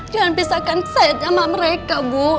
jangan pisahkan saja sama mereka bu